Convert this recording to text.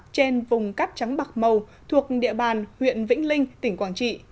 trên vùng cát trắng bạc màu thuộc địa bàn huyện vĩnh linh tỉnh quảng trị